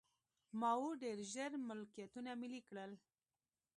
ماوو ډېر ژر ملکیتونه ملي کړل.